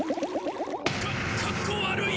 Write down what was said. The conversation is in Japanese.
かかっこ悪い。